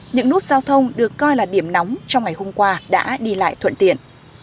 những nút giao thông được coi là điểm nóng trong ngày hôm qua đã đi lại thuận tiện